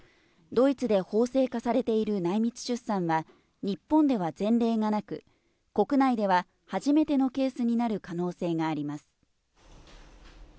ドイツで法制化されている内密出産は、日本では前例がなく、国内では初めてのケースになる可能性があります。